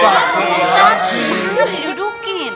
ustaz ini udah didudukin